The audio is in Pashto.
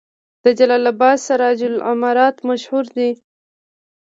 د جلال اباد سراج العمارت مشهور دی